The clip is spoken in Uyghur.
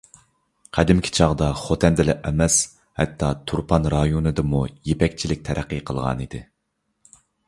قەدىمكى چاغدا خوتەندىلا ئەمەس، ھەتتا تۇرپان رايونىدىمۇ يىپەكچىلىك تەرەققىي قىلغانىدى.